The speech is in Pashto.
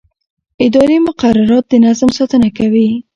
اداري مقررات د نظم ساتنه کوي.